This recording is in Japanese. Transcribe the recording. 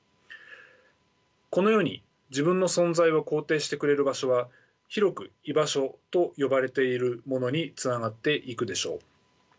このように自分の存在を肯定してくれる場所は広く居場所と呼ばれているものにつながっていくでしょう。